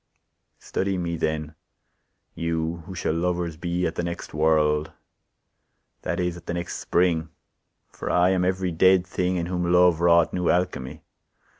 Study me then, you who shall lovers be At the next world, that is, at the next spring ; For I am every dead thing, In whom Love wrought new alchemy.